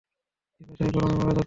পিপাসায় গরমে মারা যাচ্ছি।